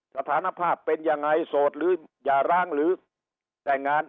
สถานภาพเป็นยังไงโสดหรืออย่าร้างหรือแต่งงาน